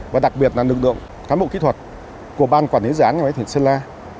và đặc biệt là nực lượng cán bộ kỹ thuật của ban quản lý gián nhà máy thử điện sơn la